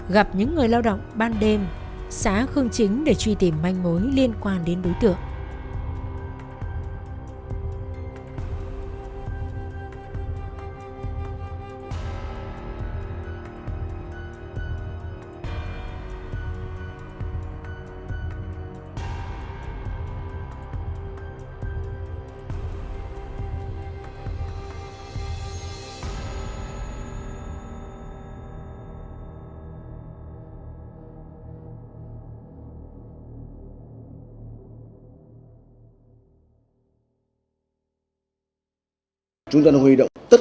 gặp những người lao động ban đêm xá khương chính để truy tìm manh mối liên quan đến đối tượng